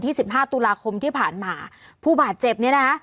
สิบห้าตุลาคมที่ผ่านมาผู้บาดเจ็บเนี้ยนะคะ